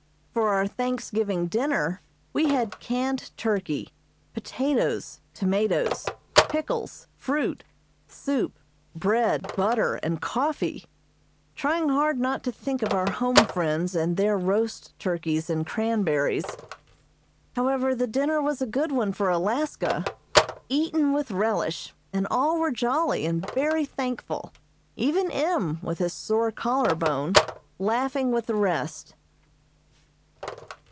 For our Thanksgiving dinner we had canned turkey, potatoes, tomatoes, pickles, fruit, soup, bread, butter, and coffee, trying hard not to think of our home friends and their roast turkeys and cranberries. However, the dinner was a good one for Alaska, eaten with relish, and all were jolly and very thankful, even M., with his sore collar bone, laughing with the rest.